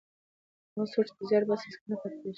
هغه څوک چې زیار باسي هېڅکله نه پاتې کېږي.